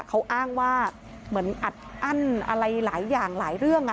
เขาอ้างว่าเหมือนอัดอั้นอะไรหลายอย่างหลายเรื่อง